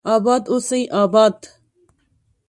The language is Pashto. اباد اوسي اباد